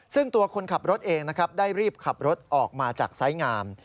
ซึ่งตัวคนขับรถเองนะครับได้รีบขับรถออกมาจากไซส์งาม